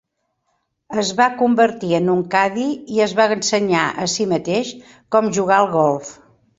Es va convertir en un cadi i es va ensenyar a si mateix com jugar al golf.